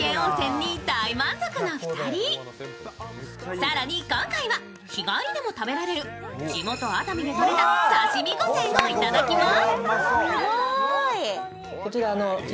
更に、今回は日帰りでも食べられる地元・熱海で取れた刺身御膳をいただきます。